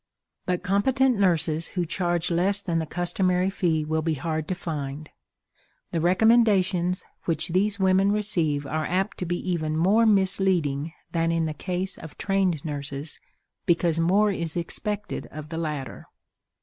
But competent nurses who charge less than the customary fee will be hard to find. The recommendations which these women receive are apt to be even more misleading than in the case of trained nurses, because more is expected of the latter.